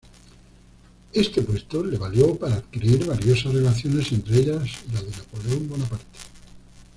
Este puesto le valió para adquirir valiosas relaciones, entre ellas la de Napoleón Bonaparte.